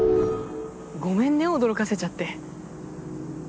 ごめんね驚かせちゃって。